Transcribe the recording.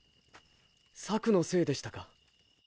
朔のせいでしたか。